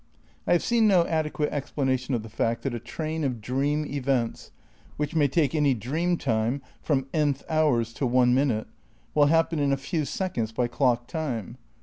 I have seen no adequate explanation of the fact that a train of dream events, which may take any dream time from nth. hours to one minute, will happen in a few seconds by clock time.